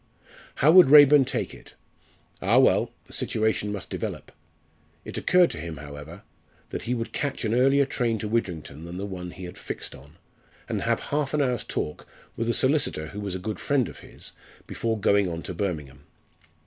How would Raeburn take it? Ah, well! the situation must develop. It occurred to him, however, that he would catch an earlier train to Widrington than the one he had fixed on, and have half an hour's talk with a solicitor who was a good friend of his before going on to Birmingham.